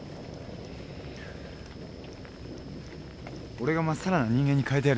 俺がまっさらな人間に変えてやるよ。